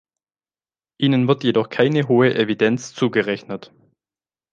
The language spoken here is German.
Ihnen wird jedoch keine hohe Evidenz zugerechnet.